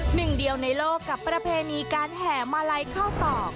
หนึ่งเดียวในโลกกับประเพณีการแห่มาลัยเข้าตอก